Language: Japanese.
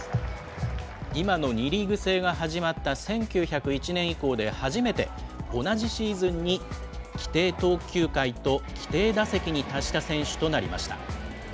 今の２リーグ制が始まった１９０１年以降で初めて、同じシーズンに規定投球回と規定打席に達した選手となりました。